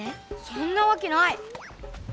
そんなわけない。